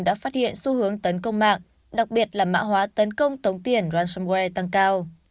đã phát hiện xu hướng tấn công mạng đặc biệt là mã hóa tấn công tống tiền ransomware tăng cao